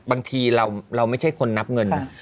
บางทีเราไม่ใช่คนนับเงิน